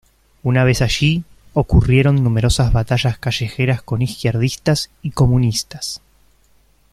Una vez allí, ocurrieron numerosas batallas callejeras con izquierdistas y comunistas.